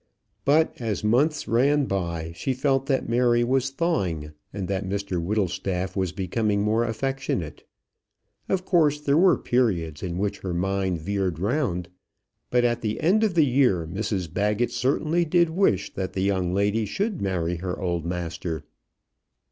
But as months ran by she felt that Mary was thawing, and that Mr Whittlestaff was becoming more affectionate. Of course there were periods in which her mind veered round. But at the end of the year Mrs Baggett certainly did wish that the young lady should marry her old master.